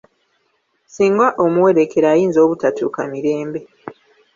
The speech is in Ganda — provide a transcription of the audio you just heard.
Singa omuwerekera ayinza obutatuuka mirembe